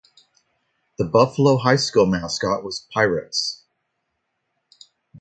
The Buffalo High School mascot was Pirates.